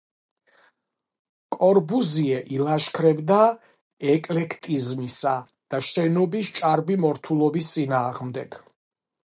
კორბუზიე ილაშქრებდა ეკლექტიზმისა და შენობის ჭარბი მორთულობის წინააღმდეგ.